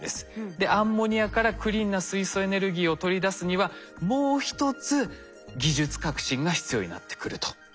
でアンモニアからクリーンな水素エネルギーを取り出すにはもう一つ技術革新が必要になってくると。